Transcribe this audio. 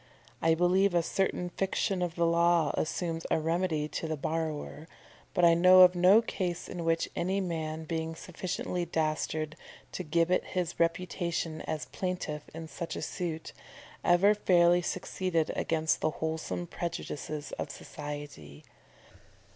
I believe a certain fiction of the law assumes a remedy to the borrower; but I know of no case in which any man, being sufficiently dastard to gibbet his reputation as plaintiff in such a suit, ever fairly succeeded against the wholesome prejudices of society.